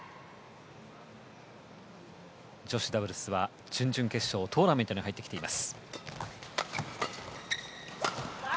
女子ダブルスは準々決勝トーナメントに入ってきています。